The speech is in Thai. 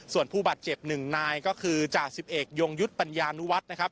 ส่วนผู้บาดเจ็บหนึ่งนายก็คือจ่าสิบเอกยงยุทธ์ปัญญานุวัฒน์นะครับ